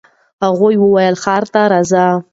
هغوی ولې ښار ته ځي؟